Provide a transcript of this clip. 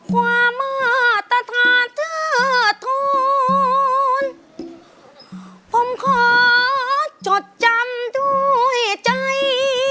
ความมาตรฐานเธอทนผมขอจดจำด้วยใจ